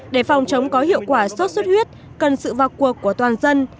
để phòng chống có hiệu quả sốt xuất huyết cần sự vào cuộc của toàn dân